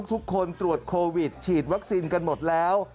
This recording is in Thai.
ทุกคนตรวจโควิดฉีดวัคซีนกันหมดแล้ว